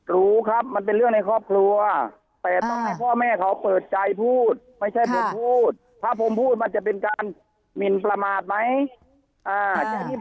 รู้ครับมันเป็นเรื่องในครอบครัวแต่ต้องให้พ่อแม่เขาเปิดใจพูดไม่ใช่ผมพูดถ้าผมพูดมันจะเป็นการหมินประมาทไหม